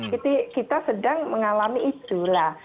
jadi kita sedang mengalami itulah